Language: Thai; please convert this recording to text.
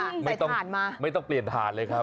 ใช่ใส่ฐานมาไม่ต้องเปลี่ยนฐานเลยครับ